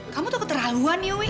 kamu tuh keterlaluan ya wih